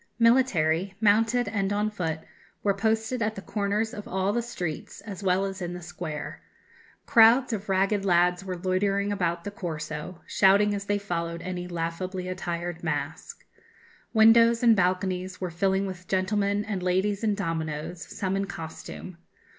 Military, mounted and on foot, were posted at the corners of all the streets, as well as in the square. Crowds of ragged lads were loitering about the Corso, shouting as they followed any laughably attired mask. Windows and balconies were filling with gentlemen and ladies in dominoes, some in costume.